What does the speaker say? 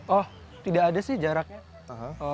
oh tidak ada sih jaraknya